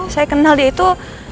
saya kenal dia itu